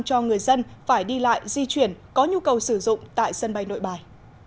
cho người dân phải đi lại di chuyển có nhu cầu sử dụng tại sân bay nội bài